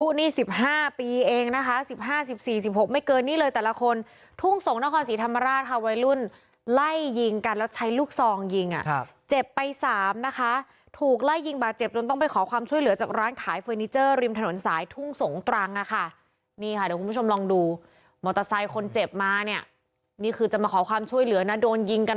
ผู้นี้๑๕ปีเองนะคะ๑๕๑๔๑๖ไม่เกินนี่เลยแต่ละคนทุ่งสงฆ์นครสีธรรมราชค่ะวัยรุ่นไล่ยิงกันแล้วใช้ลูกซองยิงอ่ะเจ็บไป๓นะคะถูกไล่ยิงบาดเจ็บจนต้องไปขอความช่วยเหลือจากร้านขายเฟอร์นิเจอร์ริมถนนสายทุ่งสงฆ์ตรังอ่ะค่ะนี่ค่ะเดี๋ยวคุณผู้ชมลองดูมอเตอร์ไซค์คนเจ็บมาเนี่ยนี่คือจะมาขอ